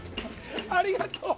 ありがとう。